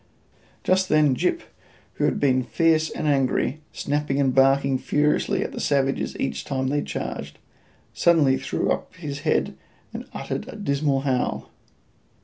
Just then Gyp, who had been fierce and angry, snapping and barking furiously at the savages each time they charged, suddenly threw up his head and uttered a dismal howl.